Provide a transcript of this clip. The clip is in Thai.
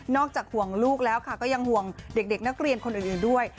จากห่วงลูกแล้วค่ะก็ยังห่วงเด็กนักเรียนคนอื่นด้วย